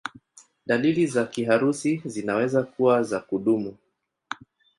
Dalili za kiharusi zinaweza kuwa za kudumu.